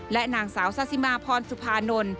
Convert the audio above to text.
และนางสาวซาซิมาพรสุภานนท์